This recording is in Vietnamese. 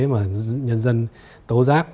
mà nhân dân tố giác